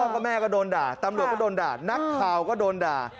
ก็แม่ก็โดนด่าตำรวจก็โดนด่านักข่าวก็โดนด่า